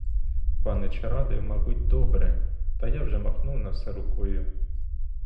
Панич радив, мабуть, добре, та я вже махнув на все рукою.